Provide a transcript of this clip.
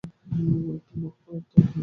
তোর মন খারাপ কেনো?